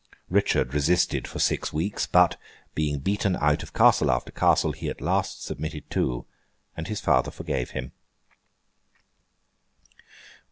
Richard resisted for six weeks; but, being beaten out of castle after castle, he at last submitted too, and his father forgave him.